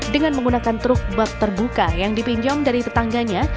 dengan menggunakan truk bak terbuka yang dipinjam dari tetangganya